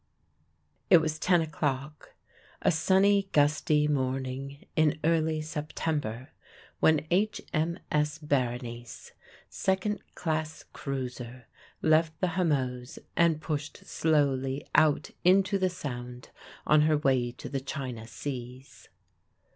It was ten o'clock a sunny, gusty morning in early September when H.M.S. Berenice, second class cruiser, left the Hamoaze and pushed slowly out into the Sound on her way to the China Seas.